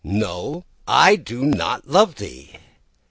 —no! I do not love thee!